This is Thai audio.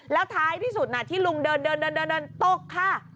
แล้วท้ายที่สุดที่ลุงเดินเดินตกค่ะ